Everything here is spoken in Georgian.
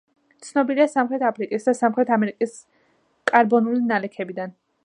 ცნობილია სამხრეთ აფრიკის და სამხრეთ ამერიკის კარბონული ნალექებიდან.